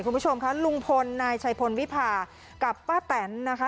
คุณผู้ชมค่ะลุงพลนายชัยพลวิพากับป้าแตนนะคะ